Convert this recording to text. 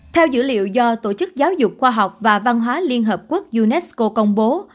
theo dữ liệu do tổ chức giáo dục khoa học và văn hóa liên hợp quốc unesco công bố